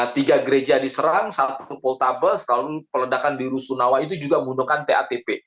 tiga gereja diserang satu poltabes lalu peledakan di rusunawa itu juga menggunakan tatp